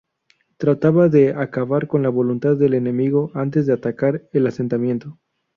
Trataba de acabar con la voluntad del enemigo antes de atacar el asentamiento.